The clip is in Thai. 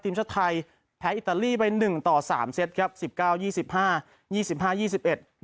ทีมชาติไทยแพ้อิตาลีไปหนึ่งต่อสามเซตครับสิบเก้ายี่สิบห้ายี่สิบห้ายี่สิบเอ็ด